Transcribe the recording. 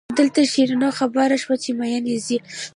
دلته شیرینو خبره شوه چې مئین یې ځي.